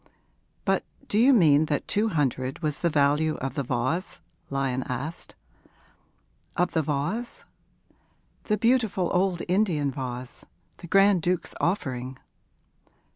But do you mean that two hundred was the value of the vase?' Lyon asked. 'Of the vase?' 'The beautiful old Indian vase the Grand Duke's offering.'